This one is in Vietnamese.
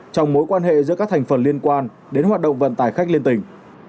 trong mối quan hệ giữa các thành phần liên quan đến hoạt động vận tải khách liên tỉnh